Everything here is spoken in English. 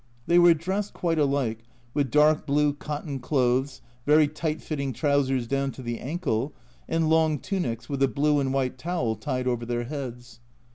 They were dressed quite alike, with dark blue cotton clothes, very tight fitting trousers down to the ankle, and long tunics with a blue and white towel tied over their heads.